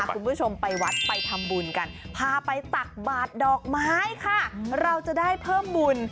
คุณผู้ชมไปวัดไปทำบุญกันพาไปตักบาทดอกไม้ค่ะเราจะได้เพิ่มบุญ